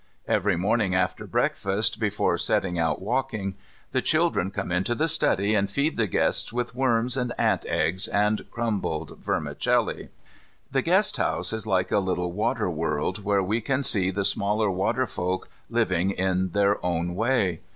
Every morning, after breakfast, before setting out walking, the children come into the study and feed the guests with worms, and ants' eggs, and crumbled vermicelli. The guest house is like a little water world where we can see the smaller water folk living in their own way.